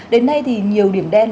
đến nay thì nhiều điểm đen